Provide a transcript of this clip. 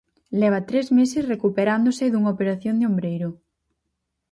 Leva tres meses recuperándose dunha operación de ombreiro.